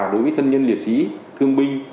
đối với thân nhân liệt sĩ thương minh